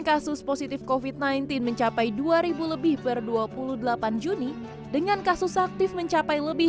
kasus positif covid sembilan belas mencapai dua ribu lebih per dua puluh delapan juni dengan kasus aktif mencapai lebih